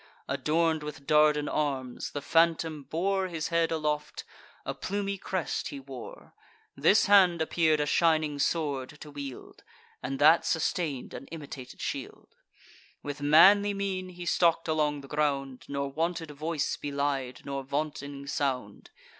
Adorn'd with Dardan arms, the phantom bore His head aloft; a plumy crest he wore; This hand appear'd a shining sword to wield, And that sustain'd an imitated shield. With manly mien he stalk'd along the ground, Nor wanted voice belied, nor vaunting sound.